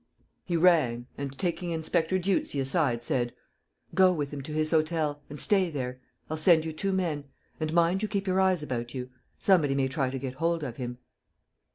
He rang and, taking Inspector Dieuzy aside, said: "Go with him to his hotel ... and stay there. ... I'll send you two men. ... And mind you keep your eyes about you. Somebody may try to get hold of him."